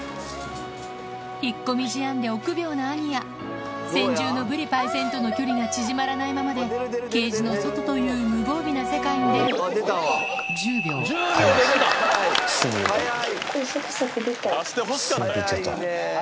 引っ込み思案で臆病なアニヤ先住のぶりパイセンとの距離が縮まらないままでケージの外という無防備な世界に出る１０秒で出た⁉すぐ出ちゃった。